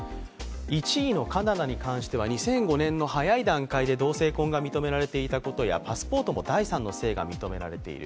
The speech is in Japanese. １位のカナダに関しては２００５年の早い段階で同性婚が認められていたりパスポートも第三の性が認められている。